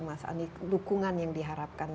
mas andi dukungan yang diharapkan